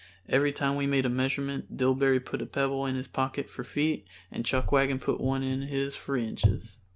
Every time we made a measurement Dillbery put a pebble in his pocket for feet and Chuckwagon put one in his for inches.